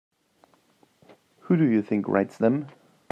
Who do you think writes them?